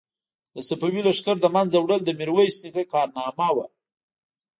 د صفوي لښکر له منځه وړل د میرویس نیکه کارنامه وه.